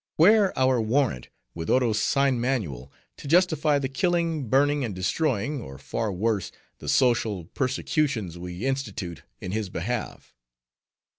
Where our warrant, with Oro's sign manual, to justify the killing, burning, and destroying, or far worse, the social persecutions we institute in his behalf?